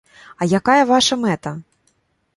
А якая ваша мэта?